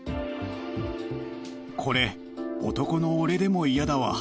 これ、男の俺でも嫌だわ。